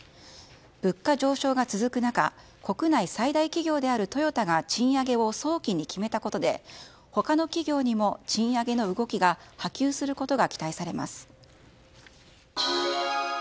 物価上昇が続く中国内最大企業であるトヨタが賃上げを早期に決めたことで他の企業にも賃上げの動きが波及されることが期待されます。